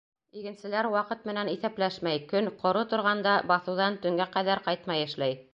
Игенселәр ваҡыт менән иҫәпләшмәй, көн ҡоро торғанда, баҫыуҙан төнгә ҡәҙәр ҡайтмай эшләй.